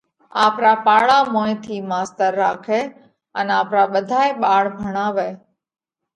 آپرا پاڙا موئين ٿِي ماستر راکئہ ان آپرا ٻڌائي ٻاۯ ڀڻاوئہ۔